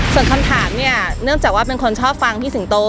ส่วนคำถามเนี่ยเนื่องจากว่าเป็นคนชอบฟังพี่สิงโต